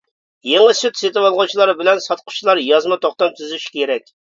يېڭى سۈت سېتىۋالغۇچىلار بىلەن ساتقۇچىلار يازما توختام تۈزۈشى كېرەك.